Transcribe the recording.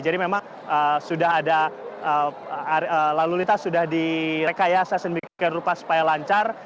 jadi memang lalu lintas sudah di rekayasa semikin rupa supaya lancar